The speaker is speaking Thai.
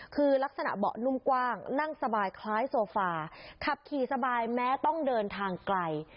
คือลักษณะเบาะนุ่มกว้างนั่งสบายคล้ายโซฟาขับขี่สบายแม้ต้องเดินทางไกล